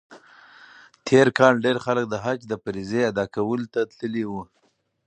تېر کال ډېر خلک د حج د فریضې ادا کولو ته تللي وو.